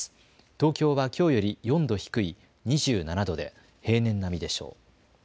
東京はきょうより４度低い２７度で平年並みでしょう。